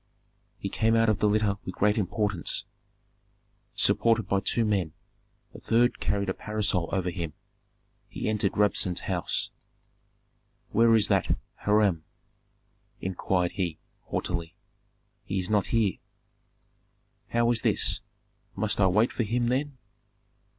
He came out of the litter with great importance, supported by two men; a third carried a parasol over him. He entered Rabsun's house. "Where is that Hiram?" inquired he, haughtily. "He is not here." "How is this? Must I wait for him, then?"